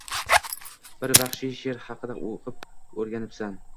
Bir vaxshiy sher xaqida oʻqib oʻrganibsan.